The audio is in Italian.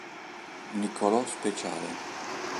Niccolò Speciale